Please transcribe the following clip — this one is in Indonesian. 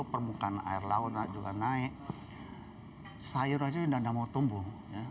permukaan air laut juga naik sayur aja tidak mau tumbuh